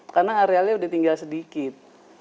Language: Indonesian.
karena arealnya udah tinggal sedikit